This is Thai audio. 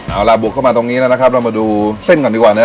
เอาล่ะบุกเข้ามาตรงนี้แล้วนะครับเรามาดูเส้นก่อนดีกว่านะ